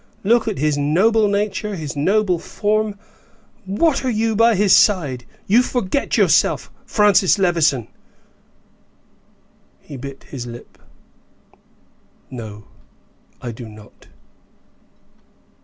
Look at his noble nature, his noble form; what are you by his side? You forget yourself, Francis Levison." He bit his lip. "No, I do not."